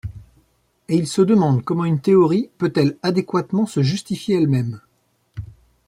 Et il se demande comment une théorie peut-elle adéquatement se justifier elle-même?